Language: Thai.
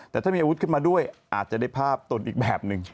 แต่ถ้ามีอาวุธขึ้นมาด้วยอาจจะได้ภาพตนอีกแบบหนึ่ง